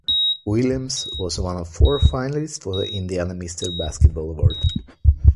Williams was one of four finalists for the Indiana Mister Basketball award.